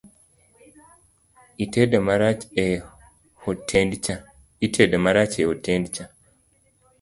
Itedo marach e hotend cha